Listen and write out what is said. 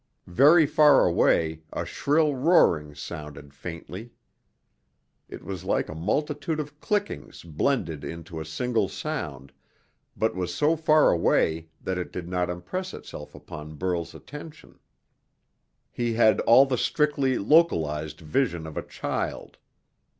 Very far away a shrill roaring sounded faintly. It was like a multitude of clickings blended into a single sound, but was so far away that it did not impress itself upon Burl's attention. He had all the strictly localized vision of a child.